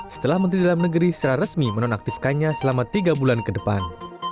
setelah menteri dalam negeri secara resmi menonaktifkannya selama tiga bulan ke depan